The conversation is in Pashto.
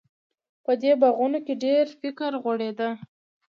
په دې باغونو کې فکر غوړېده.